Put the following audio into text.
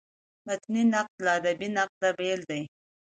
متني نقد له ادبي نقده بېل دﺉ.